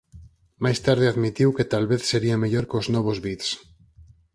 Máis tarde admitiu que "talvez sería mellor cos novos bits".